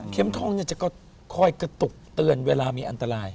ทองจะคอยกระตุกเตือนเวลามีอันตราย